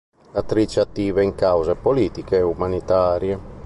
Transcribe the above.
L'attrice è attiva in cause politiche e umanitarie.